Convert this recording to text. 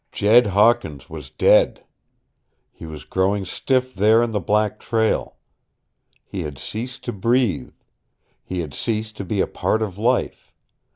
Jed Hawkins was dead! He was growing stiff there in the black trail. He had ceased to breathe. He had ceased to be a part of life.